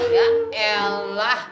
ya ya lah